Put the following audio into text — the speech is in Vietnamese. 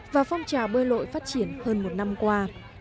và phong trào bơi lội phát triển hơn một năm qua